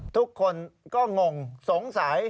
ทุกคนก็งงสงสัย